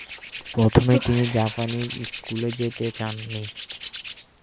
প্রথমে তিনি জাপানি স্কুলে যেতে চান নি।